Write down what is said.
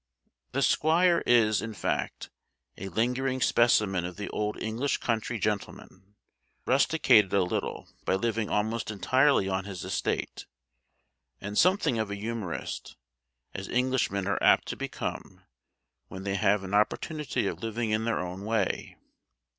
The squire is, in fact, a lingering specimen of the old English country gentleman; rusticated a little by living almost entirely on his estate, and something of a humourist, as Englishmen are apt to become when they have an opportunity of living in their own way.